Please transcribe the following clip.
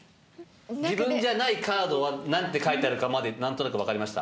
自分じゃないカードは何て書いてあるかまで何となく分かりました？